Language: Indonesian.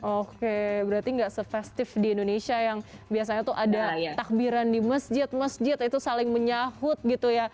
oke berarti nggak se festive di indonesia yang biasanya tuh ada takbiran di masjid masjid itu saling menyahut gitu ya